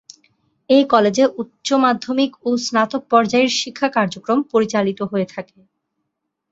এ কলেজে উচ্চমাধ্যমিক ও স্নাতক পর্যায়ের শিক্ষা কার্যক্রম পরিচালিত হয়ে থাকে।